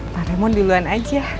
pak remon duluan aja